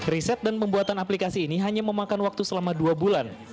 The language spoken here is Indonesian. riset dan pembuatan aplikasi ini hanya memakan waktu selama dua bulan